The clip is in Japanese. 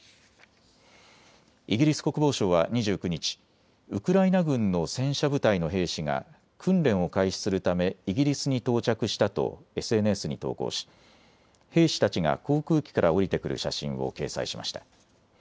イギリス国防省は２９日、ウクライナ軍の戦車部隊の兵士が訓練を開始するためイギリスに到着したとＳＮＳに投稿し兵士たちが航空機から降りてくる写真を掲載しました。